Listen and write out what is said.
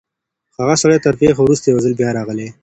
هغه سړی تر پېښي وروسته یو ځل بیا راغلی.